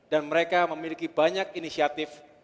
dan mereka memiliki banyak inisiatif